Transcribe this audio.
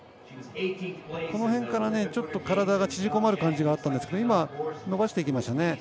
この辺からちょっと体が縮こまる感じがあったんですが今、伸ばしていきましたね。